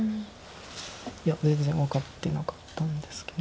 いや全然分かってなかったんですけど。